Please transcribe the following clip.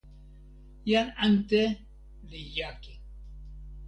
jan ante li jaki.